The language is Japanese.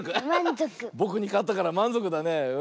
ぼくにかったからまんぞくだね。